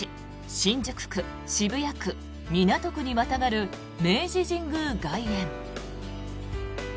新宿区、渋谷区、港区にまたがる明治神宮外苑。